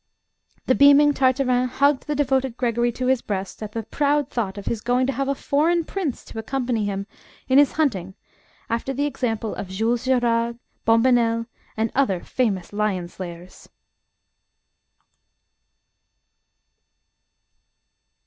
The beaming Tartarin hugged the devoted Gregory to his breast at the proud thought of his going to have a foreign prince to accompany him in his hunting, after the example of Jules Gerard, Bombonnel, and other famous lion slayers.